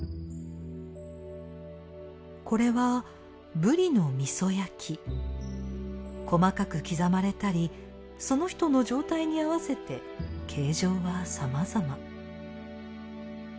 これは細かく刻まれたりその人の状態に合わせて形状はさまざま。